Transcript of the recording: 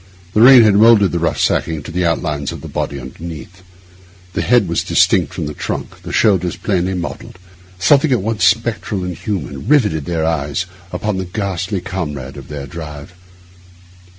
The rain had moulded the rough sacking to the outlines of the body underneath; the head was distinct from the trunk, the shoulders plainly modelled; something at once spectral and human riveted their eyes upon the ghastly comrade of their drive.